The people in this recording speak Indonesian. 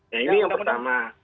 nah ini yang pertama